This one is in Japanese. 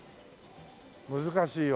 難しいよ。